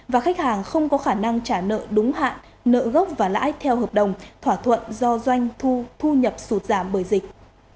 và khách hàng không có khả năng trả nợ đúng hạn nợ gốc và lãi theo hợp đồng thỏa thuận do doanh thu thu nhập sụt giảm bởi dịch